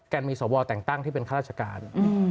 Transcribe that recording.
มีสวแต่งตั้งที่เป็นข้าราชการ